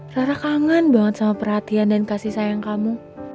rasa kangen banget sama perhatian dan kasih sayang kamu